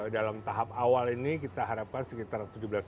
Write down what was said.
dalam tahap awal ini kita harapkan sekitar tujuh belas